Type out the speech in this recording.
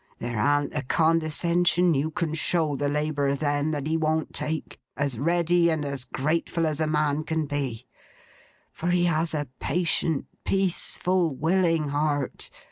There an't a condescension you can show the Labourer then, that he won't take, as ready and as grateful as a man can be; for, he has a patient, peaceful, willing heart.